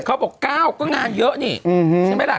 เขาบอก๙ก็งานเยอะนี่ใช่ไหมล่ะ